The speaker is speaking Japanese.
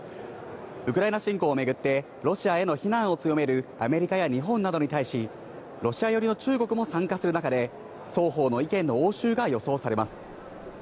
ウクライナ侵攻をめぐってロシアへの非難を強めるアメリカや日本などに対し、ロシア寄りの中国も参加する中で、双方の意見の応酬が予想されます。